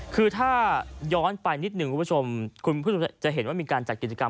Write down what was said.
คือถ้าย้อนไปนิดหนึ่งคุณผู้ชมคุณผู้ชมจะเห็นว่ามีการจัดกิจกรรม